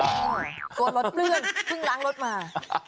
ตัวรถเปื้อนพึ่งล้างรถมา